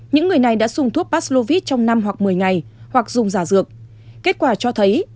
những người này đã dùng thuốc pasovit trong năm hoặc một mươi ngày hoặc dùng giả dược kết quả cho thấy